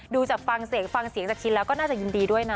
ดูจากฟังเสียงฟังเสียงจากคินแล้วก็น่าจะยินดีด้วยนะ